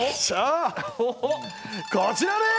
こちらです！